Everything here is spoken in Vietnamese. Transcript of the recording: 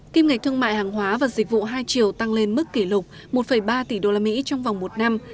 kim ngạch thương mại hàng hóa và dịch vụ hai triệu tăng lên mức kỷ lục một ba tỷ usd trong vòng một năm